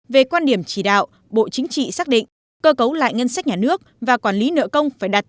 về quan điểm chỉ đạo bộ chính trị xác định cơ cấu lại ngân sách nhà nước và quản lý nợ công phải đạt